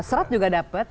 serat juga dapat